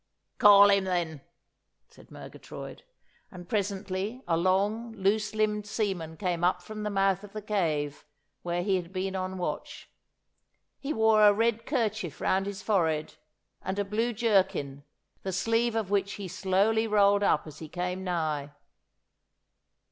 'Call him, then,' said Murgatroyd, and presently a long, loose limbed seaman came up from the mouth of the cave, where he had been on watch. He wore a red kerchief round his forehead, and a blue jerkin, the sleeve of which he slowly rolled up as he came nigh.